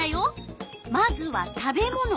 まずは「食べもの」。